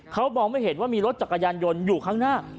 เขามองไม่เห็นว่ามีรถจักรยานยนต์อยู่ข้างหน้า